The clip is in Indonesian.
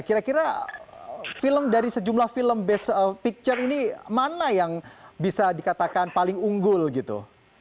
kira kira film dari sejumlah film best picture ini mana yang bisa dikatakan paling unggul gitu